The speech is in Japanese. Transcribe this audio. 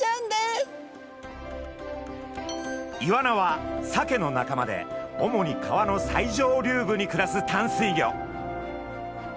イワナはサケの仲間で主に川の最上流部に暮らす淡水魚。